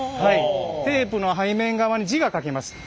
テープの背面側に字が書けます。